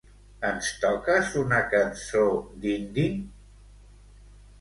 Ens toques una cançó d'indie?